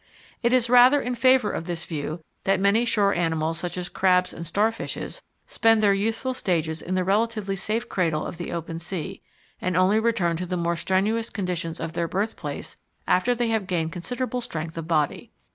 It is rather in favour of this view that many shore animals such as crabs and starfishes, spend their youthful stages in the relatively safe cradle of the open sea, and only return to the more strenuous conditions of their birthplace after they have gained considerable strength of body.